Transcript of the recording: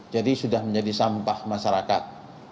jadi sudah menjadi sampah masyarakat